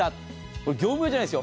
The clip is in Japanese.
これ業務用じゃないですよ。